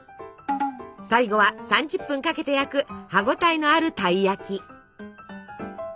最後は３０分かけて焼く歯ごたえのあるたい焼き。